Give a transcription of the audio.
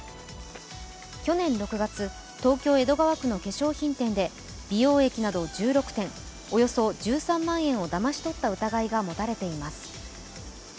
去年６月、東京・江戸川区の化粧品店で美容液など１６点、およそ１３万円をだまし取った疑いが持たれています。